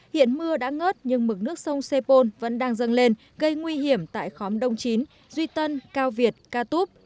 hiện mưa đã ngớt nhưng mực nước sông sepol vẫn đang dâng lên gây nguy hiểm tại khóm đông chín duy tân cao việt ca túp